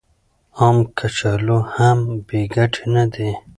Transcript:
عام کچالو هم بې ګټې نه دي.